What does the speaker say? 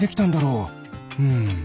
うん。